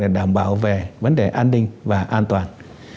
để đảm bảo về vấn đề an ninh và an toàn